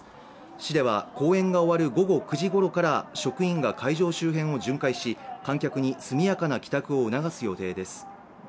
市では公演が終わる午後９時ごろから職員が会場周辺を巡回し観客に速やかな帰宅を促す予定です。